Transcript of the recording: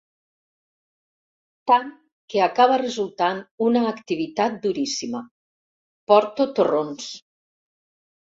Tant, que acaba resultant una activitat duríssima: "Porto torrons.